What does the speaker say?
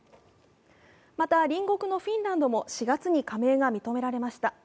また、隣国のフィンランドも４月に加盟が認められました。